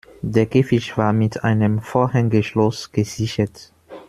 Der Käfig war mit einem Vorhängeschloss gesichert.